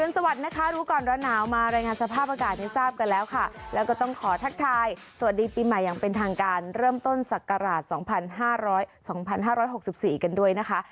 สวัสดีนะคะรู้ก่อนร้อนหนาวมารายงานสภาพอากาศให้ทราบกันแล้วค่ะแล้วก็ต้องขอทักทายสวัสดีปีใหม่อย่างเป็นทางการเริ่มต้นศักราช๒๕๖๔กันด้วยนะคะ